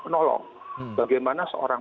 penolong bagaimana seorang